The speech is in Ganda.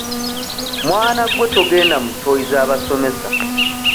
Mwana gwe togenda mu ttooyi z'abasomesa.